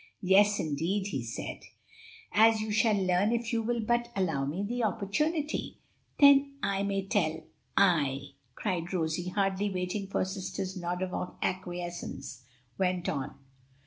"Yes, indeed!" he said, "as you shall learn if you will but allow me the opportunity." "Then I may tell I!" cried Rosie; and hardly waiting for her sister's nod of acquiescence, went on.